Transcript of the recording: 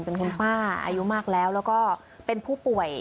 เป็นคุณป้าอายุมากแล้วแล้วก็เป็นผู้ป่วย